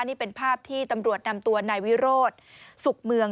นี่เป็นภาพที่ตำรวจนำตัวนายวิโรธสุขเมือง